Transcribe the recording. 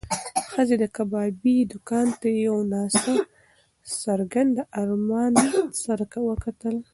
ښځې د کبابي دوکان ته د یو نا څرګند ارمان سره وکتل.